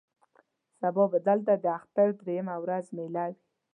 سبا به دلته د اختر درېیمه ورځ مېله وي.